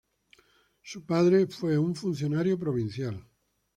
Su padre fue un funcionario provincial.